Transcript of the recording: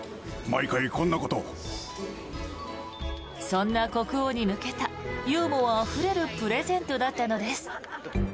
そんな国王に向けたユーモアあふれるプレゼントだったのです。